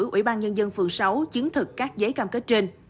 ủy ban nhân dân phường sáu chứng thực các giấy cam kết trên